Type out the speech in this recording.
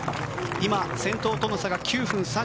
今、先頭との差が９分３５秒。